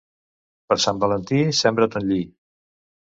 Per Sant Valentí sembra ton lli.